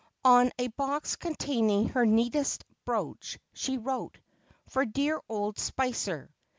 On a box containing her neatest brooch she wrote :' For dear old Spicer.'